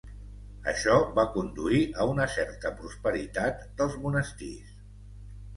Això va conduir a una certa prosperitat dels monestirs.